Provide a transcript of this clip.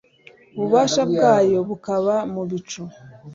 ububasha bwayo bukaba mu bicu